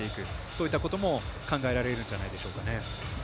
そういったことも考えられるんじゃないでしょうか。